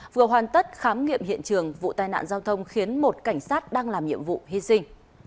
vừa hoàn tất khám nghiệm hiện trường vụ tai nạn giao thông khiến một cảnh sát đang làm nhiệm vụ hy sinh